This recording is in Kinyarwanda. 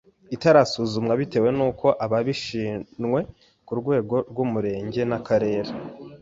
itarasuzumwa bitewe n uko ababishinwwe ku rwego rw umurenge n akarere